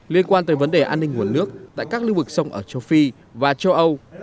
liên quan tới vấn đề an ninh nguồn nước tại các lưu vực sông ở châu phi và châu âu